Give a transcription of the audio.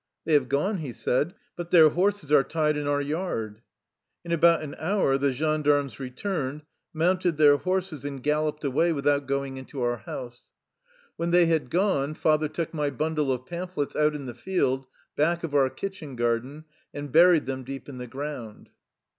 " They have gone," he said, " but their horses are tied in our yard." In about an hour the gendarmes returned, mounted their horses and galloped away with 36 THE LIFE STORY OF A RUSSIAN EXILE out going into our bouse. When they had gone, father took my bundle of pamphlets out in the field, back of our kitchen garden, and buried them deep in the ground.